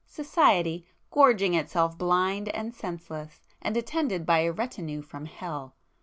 —Society, gorging itself blind and senseless, and attended by a retinue from Hell!